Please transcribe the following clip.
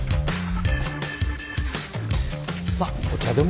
さあお茶でも。